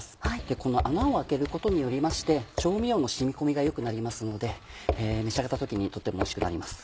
この穴を開けることによりまして調味料の染み込みが良くなりますので召し上がった時にとてもおいしくなります。